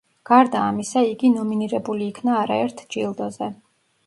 გარდა ამისა, იგი ნომინირებული იქნა არაერთ ჯილდოზე.